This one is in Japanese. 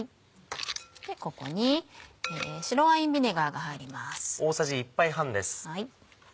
ここに白ワインビネガーが入ります。